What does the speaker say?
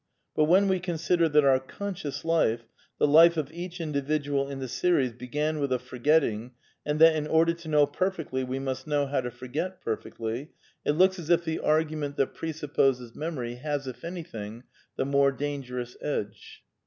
But when we consider that our conscious life, the life of each individual in the series, began with a for getting, and that in order to know perfectly we must know how to forget perfectly, it looks as if the argument that PAN PSYCHISM OF SAMUEL BUTLER 43 presupposes memory has, if anything, the more dangerous edge.